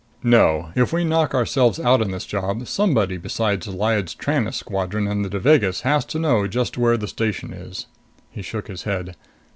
"No. If we knock ourselves out on this job, somebody besides Lyad's Tranest squadron and the Devagas has to know just where the station is." He shook his head.